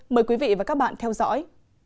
mời quý vị và các bạn theo dõi